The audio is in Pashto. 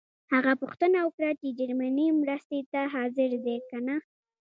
هغه پوښتنه وکړه چې جرمني مرستې ته حاضر دی کنه.